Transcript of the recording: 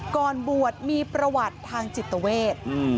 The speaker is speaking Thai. ก่อนบวชมีประวัติทางจิตเวท